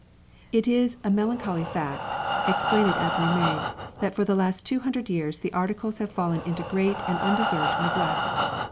It is a melancholy fact, explain it as we may, that for the last 200 years the Articles have fallen into great and undeserved neglect.